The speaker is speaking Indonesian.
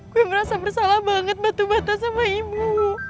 gue merasa bersalah banget batu batu sama ibu